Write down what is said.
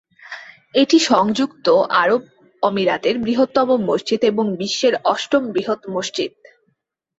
এটি সংযুক্ত আরব আমিরাতের বৃহত্তম মসজিদ এবং বিশ্বের অষ্টম বৃহত্তম মসজিদ।